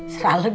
sera lu dah